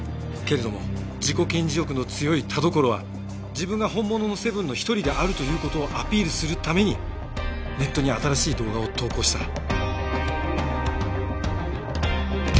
けれども自己顕示欲の強い田所は自分が本物のセブンの一人であるという事をアピールするためにネットに新しい動画を投稿した。